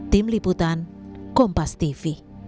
tim liputan kompas tv